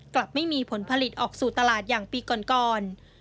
กลับไม่มีผลผลิตออกสู่ตลาดอย่างปีก่อน